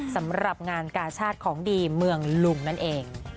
สำหรับงานกาชาติของดีเมืองลุงนั่นเอง